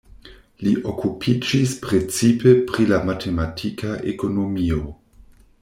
Li okupiĝis precipe pri la matematika ekonomio.